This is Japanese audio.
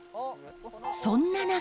そんな中。